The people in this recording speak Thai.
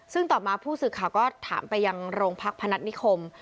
ซึ่งต่อมาผู้สื่อข่าวก็ถามไปยังโรงพักพนัฐนิคม